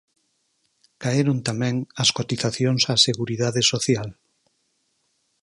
Caeron tamén as cotizacións á Seguridade Social.